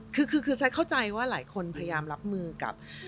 คือแซคเข้าใจว่าหลายคนพยายามรับมือกับ